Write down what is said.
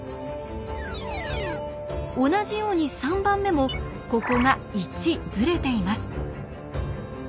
同じように３番目もここが１ずれています。